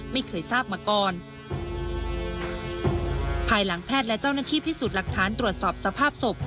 ไม่เคยทราบมาก่อนภายหลังแพทย์และเจ้าหน้าที่พิสูจน์หลักฐานตรวจสอบสภาพศพ